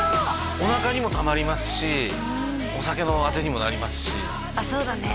おなかにもたまりますしお酒のあてにもなりますしそうだね